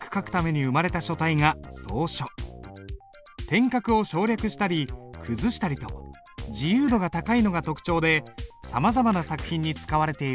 点画を省略したり崩したりと自由度が高いのが特徴でさまざまな作品に使われている。